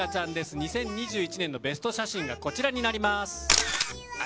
２０２１年のベスト写真がこちらです。